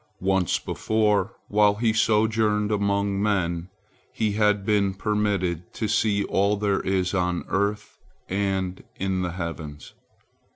Once before, while he sojourned among men, he had been permitted to see all there is on earth and in the heavens.